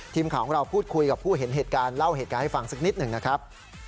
ทีมข่าวของเราพูดคุยกับผู้เห็นเหตุการณ์เล่าเหตุการณ์ให้ฟังสักนิดหนึ่งนะครับ